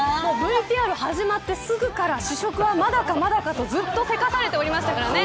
ＶＴＲ始まってすぐから試食はまだかまだかとずっと急かされておりましたからね。